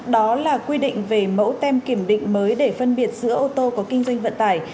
đó là quy định về mẫu tem kiểm định mới để phân biệt giữa ô tô có kinh doanh vận tải